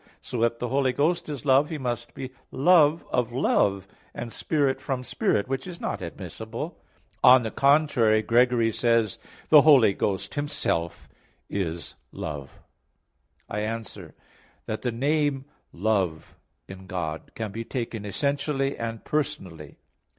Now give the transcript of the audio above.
So if the Holy Ghost is Love, He must be love of love, and spirit from spirit; which is not admissible. On the contrary, Gregory says (Hom. xxx, in Pentecost.): "The Holy Ghost Himself is Love." I answer that, The name Love in God can be taken essentially and personally.